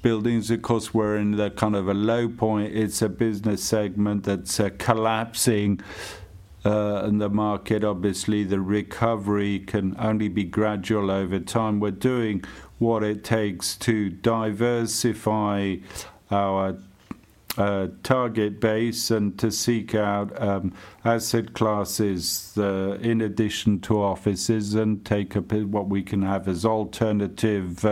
buildings. Of course, we're in kind of a low point. It's a business segment that's collapsing in the market. Obviously, the recovery can only be gradual over time. We're doing what it takes to diversify our target base and to seek out asset classes in addition to offices and take what we can have as alternative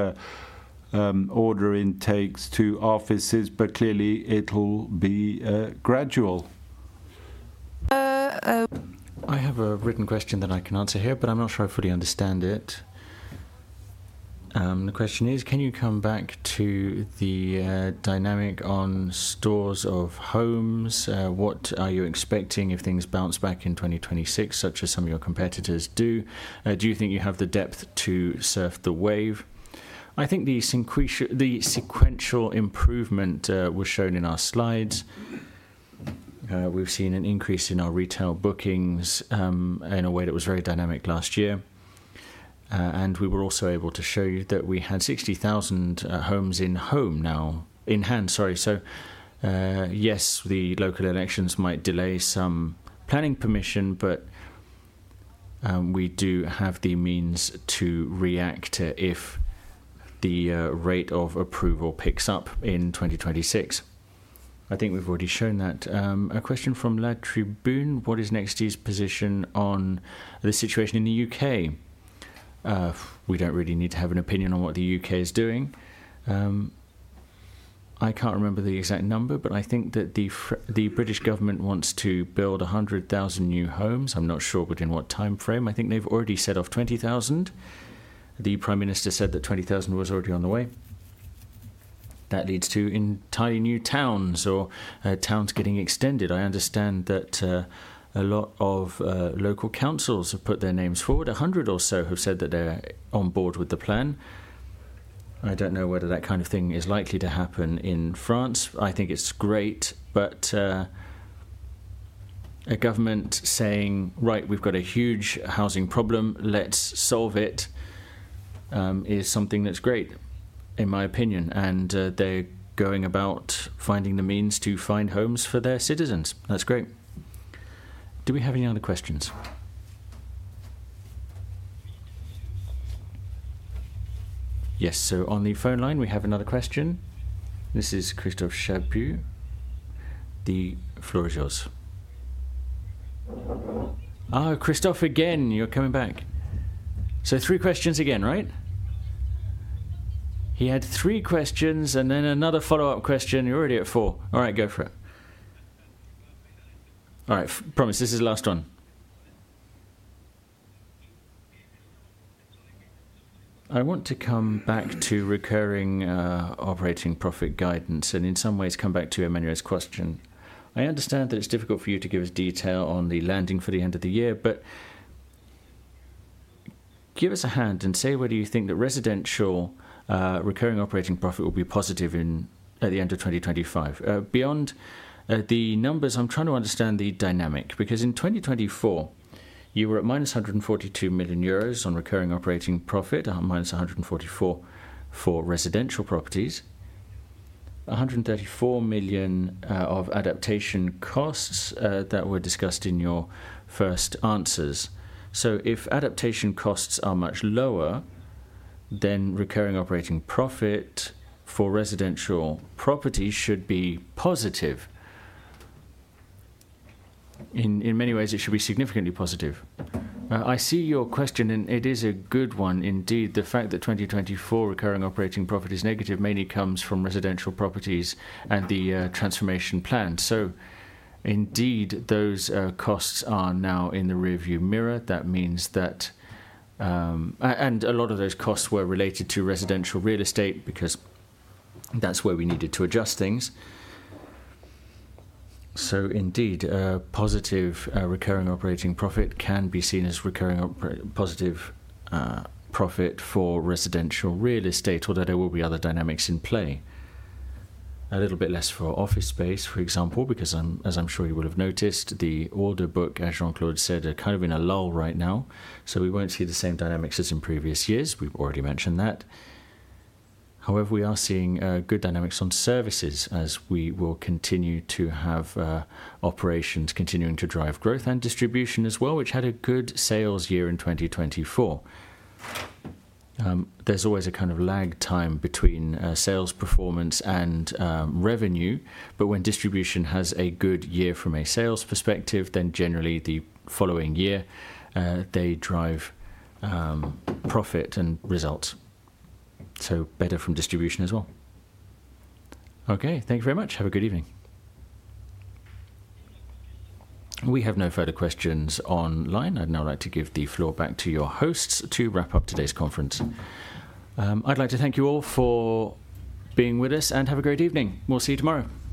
order intakes to offices. But clearly, it'll be gradual. I have a written question that I can answer here, but I'm not sure I fully understand it. The question is, can you come back to the dynamic on stock of homes? What are you expecting if things bounce back in 2026, such as some of your competitors do? Do you think you have the depth to surf the wave? I think the sequential improvement was shown in our slides. We've seen an increase in our retail bookings in a way that was very dynamic last year. And we were also able to show you that we had 60,000 homes in hand. Sorry. So yes, the local elections might delay some planning permission, but we do have the means to react if the rate of approval picks up in 2026. I think we've already shown that. A question from La Tribune, what is Nexity's position on the situation in the U.K.? We don't really need to have an opinion on what the U.K. is doing. I can't remember the exact number, but I think that the British government wants to build 100,000 new homes. I'm not sure within what time frame. I think they've already set off 20,000. The Prime Minister said that 20,000 was already on the way. That leads to entirely new towns or towns getting extended. I understand that a lot of local councils have put their names forward. A hundred or so have said that they're on board with the plan. I don't know whether that kind of thing is likely to happen in France. I think it's great, but a government saying, "Right, we've got a huge housing problem. Let's solve it," is something that's great, in my opinion. And they're going about finding the means to find homes for their citizens. That's great. Do we have any other questions? Yes. So on the phone line, we have another question. This is Christophe Chaput, the floor is yours. Oh, Christophe again. You're coming back. So three questions again, right? He had three questions and then another follow-up question. You're already at four. All right, go for it. All right. Promise, this is the last one. I want to come back to recurring operating profit guidance and in some ways come back to Emmanuel's question. I understand that it's difficult for you to give us detail on the landing for the end of the year, but give us a hand and say whether you think that residential recurring operating profit will be positive at the end of 2025. Beyond the numbers, I'm trying to understand the dynamic because in 2024, you were at minus 142 million euros on recurring operating profit, minus 144 million for residential properties, 134 million of adaptation costs that were discussed in your first answers. So if adaptation costs are much lower, then recurring operating profit for residential properties should be positive. In many ways, it should be significantly positive. I see your question, and it is a good one, indeed. The fact that 2024 recurring operating profit is negative mainly comes from residential properties and the transformation plan. So indeed, those costs are now in the rearview mirror. That means that a lot of those costs were related to residential real estate because that's where we needed to adjust things. So indeed, positive recurring operating profit can be seen as recurring positive profit for residential real estate, although there will be other dynamics in play. A little bit less for office space, for example, because, as I'm sure you will have noticed, the order book, as Jean-Claude said, are kind of in a lull right now. So we won't see the same dynamics as in previous years. We've already mentioned that. However, we are seeing good dynamics on services as we will continue to have operations continuing to drive growth and distribution as well, which had a good sales year in 2024. There's always a kind of lag time between sales performance and revenue, but when distribution has a good year from a sales perspective, then generally the following year, they drive profit and results. So better from distribution as well. Okay. Thank you very much. Have a good evening. We have no further questions online. I'd now like to give the floor back to your hosts to wrap up today's conference. I'd like to thank you all for being with us and have a great evening. We'll see you tomorrow.